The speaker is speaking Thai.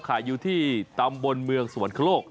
ขายอยู่ที่ตำบลเมืองสวรรคโลก